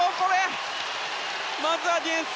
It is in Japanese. まずはディフェンス！